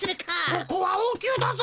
ここはおうきゅうだぞ！